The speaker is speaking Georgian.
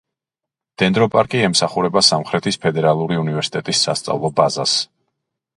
დენდროპარკი ემსახურება სამხრეთის ფედერალური უნივერსიტეტის სასწავლო ბაზას.